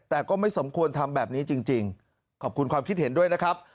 แต่ก็ไม่สมควรทำแบบนี้จริงขอบคุณความคิดเห็นด้วยนะครับ